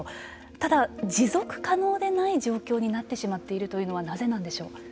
ただ、持続可能でない状況になってしまっているというのはなぜなんでしょう？